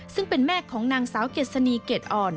ซึ่งเป็นแม่ของนางสาวเกษณีเกรดอ่อน